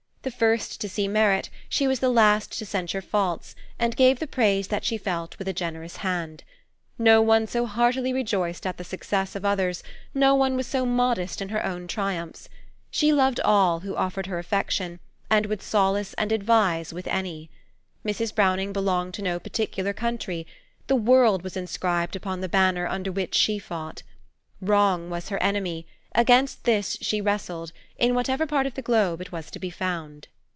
The first to see merit, she was the last to censure faults, and gave the praise that she felt with a generous hand. No one so heartily rejoiced at the success of others, no one was so modest in her own triumphs. She loved all who offered her affection, and would solace and advise with any. Mrs. Browning belonged to no particular country; the world was inscribed upon the banner under which she fought. Wrong was her enemy; against this she wrestled, in whatever part of the globe it was to be found."